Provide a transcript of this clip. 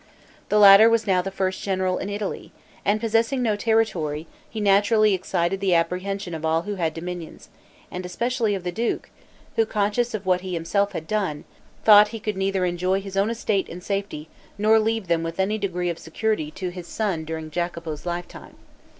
The latter was now the first general in Italy, and possessing no territory, he naturally excited the apprehension of all who had dominions, and especially of the duke, who, conscious of what he had himself done, thought he could neither enjoy his own estate in safety, nor leave them with any degree of security to his son during Jacopo's lifetime.